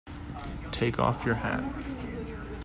Take off your hat.